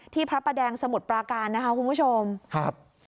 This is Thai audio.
พระประแดงสมุทรปราการนะคะคุณผู้ชมครับ